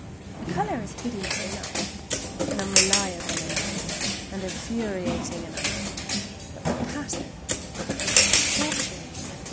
The color is hideous enough, and unreliable enough, and infuriating enough, but the pattern is torturing.